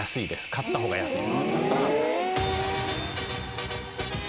買った方が安い。